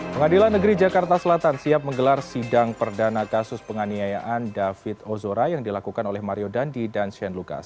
pengadilan negeri jakarta selatan siap menggelar sidang perdana kasus penganiayaan david ozora yang dilakukan oleh mario dandi dan shane lucas